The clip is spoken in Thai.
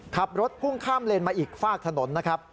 ขับรถพุ่งข้ามเลนมาอีกฝากถนนนะครับ